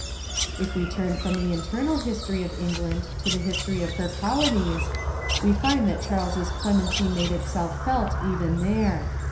If we turn from the Internal history of England to the history of her colonies, we find that Charles's clemency made Itself felt even there.